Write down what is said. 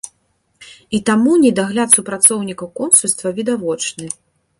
І таму недагляд супрацоўнікаў консульства відавочны.